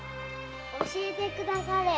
〔教えてくだされ〕